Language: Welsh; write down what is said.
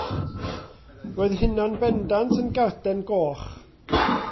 Roedd hynna'n bendant yn garden goch.